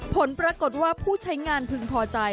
ผลปรากฏว่าผู้ใช้งานพึงพอใจ